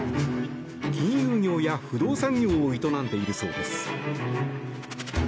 金融業や不動産業を営んでいるそうです。